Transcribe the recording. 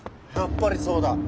やっぱりそうだ。